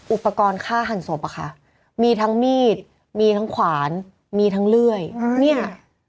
อุปกรณ์ฆ่าหันศพอะค่ะมีทั้งมีดมีทั้งขวานมีทั้งเลื่อยเนี่ย